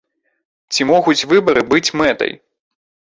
Ці могуць выбары быць мэтай?